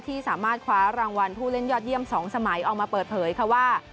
ที่สามารถคว้ารางวัลผู้เล่นยอดเยี่ยม๒สมัยออกมาเปิดเผยค่ะว่า